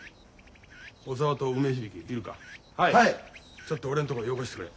ちょっと俺んところへよこしてくれ。